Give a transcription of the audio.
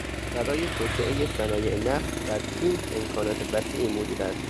برای توسعهٔ صنایع نفت در چین امکانات وسیعی موجود است.